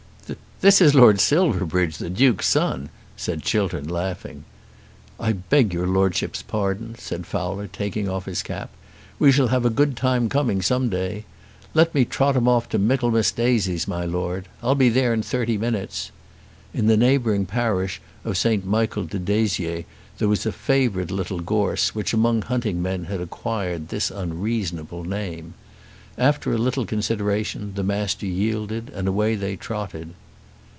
"This is Lord Silverbridge, the Duke's son," said Chiltern, laughing. "I beg your Lordship's pardon," said Fowler, taking off his cap. "We shall have a good time coming, some day. Let me trot 'em off to Michaelmas Daisies, my Lord. I'll be there in thirty minutes." In the neighbouring parish of St. Michael de Dezier there was a favourite little gorse which among hunting men had acquired this unreasonable name. After a little consideration the Master yielded, and away they trotted.